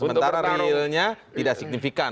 sementara realnya tidak signifikan